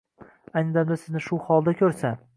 Ayni dam sizni shu holda ko’rsa